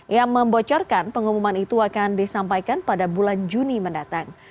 ia membocorkan pengumuman itu akan disampaikan pada bulan juni mendatang